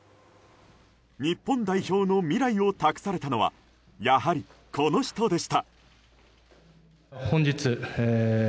日本代表の未来を託されたのはやはり、この人でした。